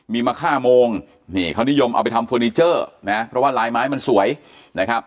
มีมะค่าโมงนี่เขานิยมเอาไปทำเฟอร์นิเจอร์นะเพราะว่าลายไม้มันสวยนะครับ